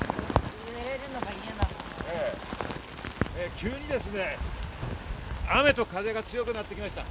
急に雨と風が強くなってきました。